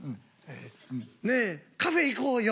ねえカフェ行こうよ。